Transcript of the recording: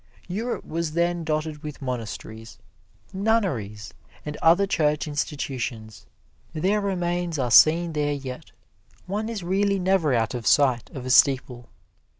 Europe was then dotted with monasteries, nunneries and other church institutions. Their remains are seen there yet one is really never out of sight of a steeple.